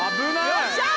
よっしゃ！